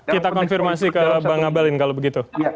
kita konfirmasi ke bang abalin kalau begitu